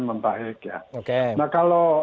membaik ya nah kalau